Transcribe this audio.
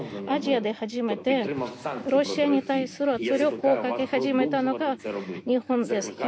アジアで初めて、ロシアに対する圧力をかけ始めたのが日本です。